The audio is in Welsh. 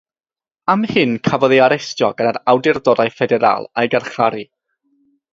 Am hyn cafodd ei arestio gan yr awdurdodau Ffederal a'i garcharu.